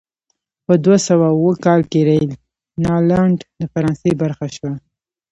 په دوه سوه اووه کال کې راینلنډ د فرانسې برخه شوه.